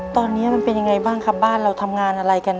ตอนนี้มันเป็นยังไงบ้างครับบ้านเราทำงานอะไรกัน